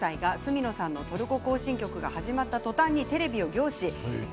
１歳が角野さんの「トルコ行進曲」が始まったとたんテレビを凝視。